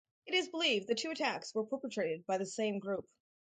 It is believed the two attacks were perpetrated by the same group.